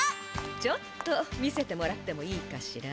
ちょっと見せてもらってもいいかしら。